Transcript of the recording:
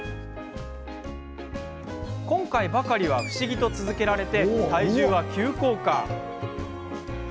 今回ばかりは不思議と続けられて体重は急降下。